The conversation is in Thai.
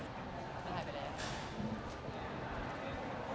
ขอมองกล้องลายเสือบขนาดนี้นะคะ